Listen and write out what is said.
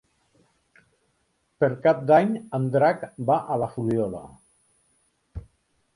Per Cap d'Any en Drac va a la Fuliola.